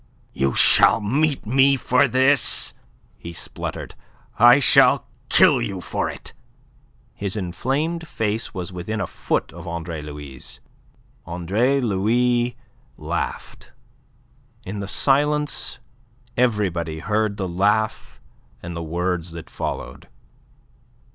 "You shall meet me for this!" he spluttered. "I shall kill you for it." His inflamed face was within a foot of Andre Louis'. Andre Louis laughed. In the silence everybody heard the laugh and the words that followed.